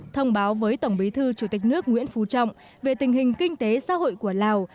thông báo với tổng bí thư chủ tịch nước nguyễn phú trọng về tình hình kinh tế xã hội của lào